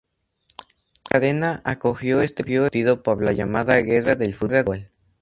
La cadena acogió este partido por la llamada guerra del fútbol.